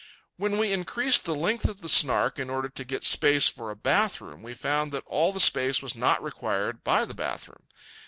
When we increased the length of the Snark in order to get space for a bath room, we found that all the space was not required by the bath room.